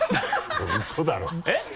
おいウソだろ。えっ？